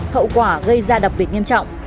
hậu quả gây ra đặc biệt nghiêm trọng